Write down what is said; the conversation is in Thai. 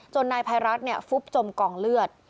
จนนายภัยรัฐเนี่ยฟุ๊บจมกองเลือด